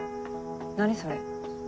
何それ。